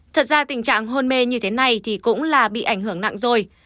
thật ra tình trạng hôn mê như thế này thì cũng là bị ảnh hưởng nặng rồi